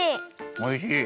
おいしい！